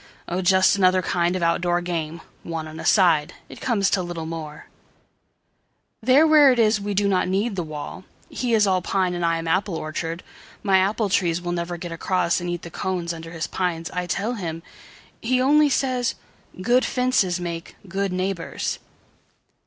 Oh, just another kind of out door game, One on a side. It comes to little more:There where it is we do not need the wall:He is all pine and I am apple orchard.My apple trees will never get acrossAnd eat the cones under his pines, I tell him. He only says, "Good fences make good neighbours."